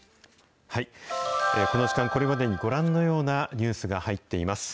この時間、これまでにご覧のようなニュースが入っています。